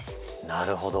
なるほど。